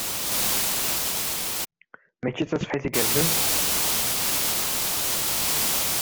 Mačči d taṣebḥit igerrzen?